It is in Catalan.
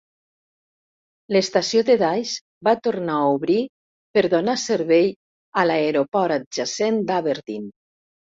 L'estació de Dyce va tornar a obrir per donar servei a l'aeroport adjacent d'Aberdeen.